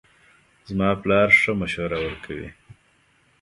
زما پلار ښه مشوره ورکوي